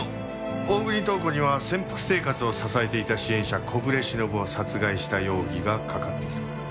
大國塔子には潜伏生活を支えていた支援者小暮しのぶを殺害した容疑がかかっている。